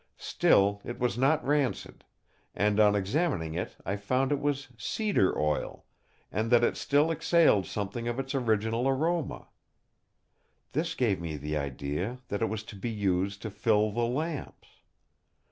Still, it was not rancid; and on examining it I found it was cedar oil, and that it still exhaled something of its original aroma. This gave me the idea that it was to be used to fill the lamps.